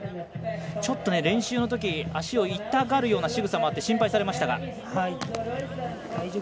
ちょっと練習のとき足を痛がるようなしぐさがあって心配されましたが。